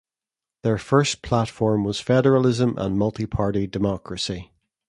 Their first platform was federalism and multi-party democracy.